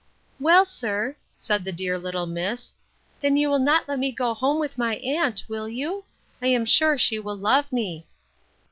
Well, sir, said the dear little miss, then you will not let me go home with my aunt, will you? I am sure she will love me.